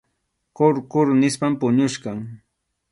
Qhur qhur nispam puñuchkan.